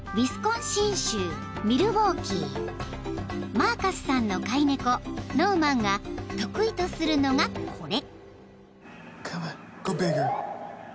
［マーカスさんの飼い猫ノーマンが得意とするのがこれ］